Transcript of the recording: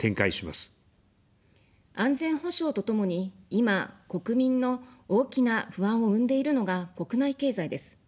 安全保障とともに、今、国民の大きな不安を生んでいるのが国内経済です。